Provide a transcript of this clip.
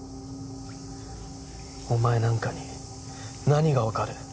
お前なんかに何がわかる？